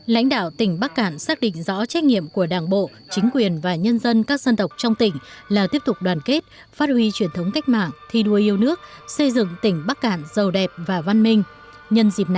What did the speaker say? lãnh đạo tỉnh bắc cạn xác định rõ trách nhiệm của đảng bộ chính quyền và nhân dân các dân tộc trong tỉnh là tiếp tục đoàn kết phát huy truyền thống cách mạng thi đua yêu nước xây dựng tỉnh bắc cạn giàu đẹp và văn minh